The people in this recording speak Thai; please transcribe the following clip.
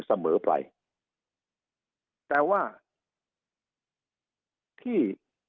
สุดท้ายก็ต้านไม่อยู่